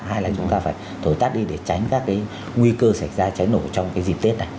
hai là chúng ta phải thổi tắt đi để tránh các nguy cơ sạch ra cháy nổ trong dịp tết này